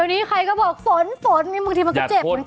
เดี๋ยวนี้ใครก็บอกฝนฝนมันกะทิมันก็เจ็บเหมือนกันนะคะ